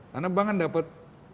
karena bank kan dapat